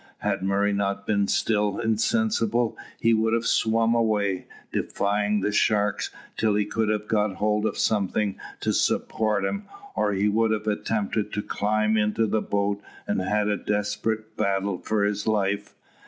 Had Murray not been still insensible, he would have swum away, defying the sharks till he could have got hold of something to support him, or he would have attempted to climb into the boat and had a desperate battle for his life.